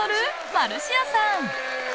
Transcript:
マルシアさん。